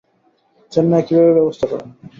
চেন্নাইয়ে কীভাবে ব্যবস্থা করেন?